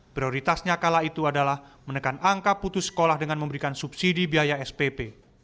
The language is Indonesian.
prioritasnya kala itu adalah menekan angka putus sekolah dengan memberikan subsidi biaya spp